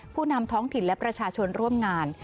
ผู้นำท้องถิ่นและประชาชนร่วมงาน